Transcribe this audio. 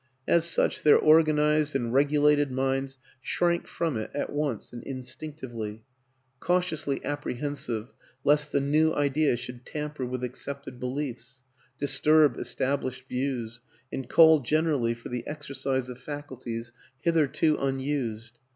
As such their organized and regulated minds shrank from it at once and instinctively cautiously appre hensive lest the New Idea should tamper with accepted beliefs, disturb established views and call generally for the exercise of faculties hitherto unused.